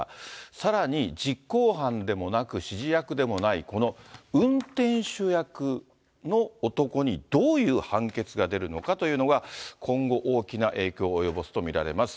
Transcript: さらに実行犯でもなく、指示役でもないこの運転手役の男にどういう判決が出るのかというのが、今後、大きな影響を及ぼすと見られます。